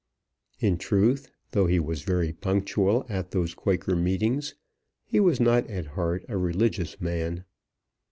In truth, though he was very punctual at those Quaker meetings, he was not at heart a religious man.